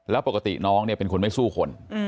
แล้วปกติน้องเนี่ยเป็นคนไม่สู้คน